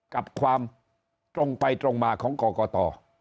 กับความตรงไปตรงมาของกรกต